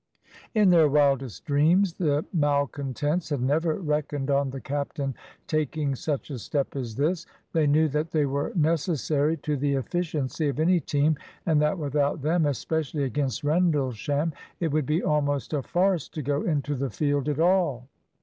In their wildest dreams the malcontents had never reckoned on the captain taking such a step as this. They knew that they were necessary to the efficiency of any team, and that without them, especially against Rendlesham, it would be almost a farce to go into the field at all.